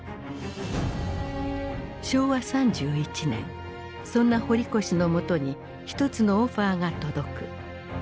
昭和３１年そんな堀越の元に一つのオファーが届く。